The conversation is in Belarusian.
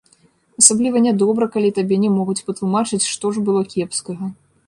Асабліва нядобра, калі табе не могуць патлумачыць, што ж было кепскага.